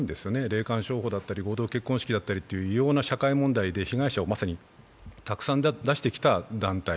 霊感商法だったり合同結婚式だったり異様な社会問題で被害者をたくさん出してきた団体。